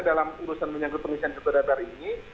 dalam urusan menyangkut perusahaan ketua dpr ini